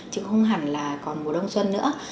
chứ không hẳn là còn mùa đông xuân nữa